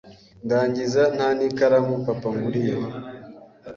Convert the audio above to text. ndangiza nta n,ikaramu papa anguriye